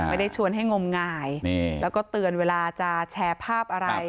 ไม่ได้ชวนให้งมงายแล้วก็เตือนเวลาจะแชร์ภาพอะไร